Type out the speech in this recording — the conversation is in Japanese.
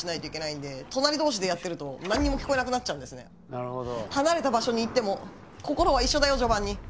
なるほど。